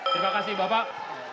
terima kasih bapak